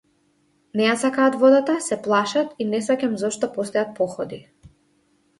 Не ја сакаат водата, се плашат, и не сфаќам зошто постојат походи.